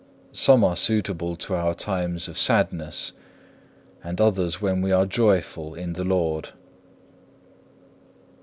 Some are suitable to our times of sadness, and others when we are joyful in the Lord.